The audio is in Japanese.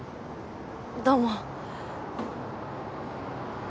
どうも。